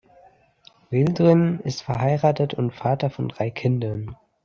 Yıldırım ist verheiratet und Vater von drei Kindern.